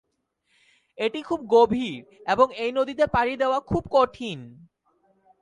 এটি খুব গভীর এবং এই নদীতে পাড়ি দেওয়া খুব কঠিন।